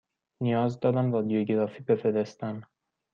نیاز دارم رادیوگرافی بفرستم.